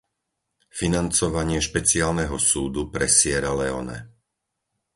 Financovanie Špeciálneho súdu pre Sierra Leone